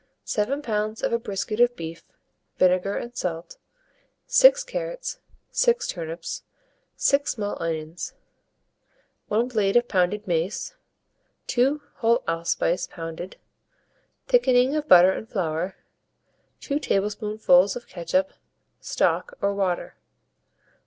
7 lbs. of a brisket of beef, vinegar and salt, 6 carrots, 6 turnips, 6 small onions, 1 blade of pounded mace, 2 whole allspice pounded, thickening of butter and flour, 2 tablespoonfuls of ketchup; stock, or water.